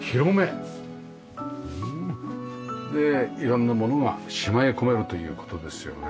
色んなものがしまい込めるという事ですよね。